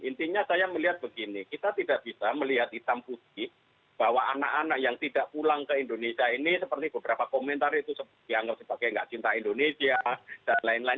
intinya saya melihat begini kita tidak bisa melihat hitam putih bahwa anak anak yang tidak pulang ke indonesia ini seperti beberapa komentar itu dianggap sebagai nggak cinta indonesia dan lain lain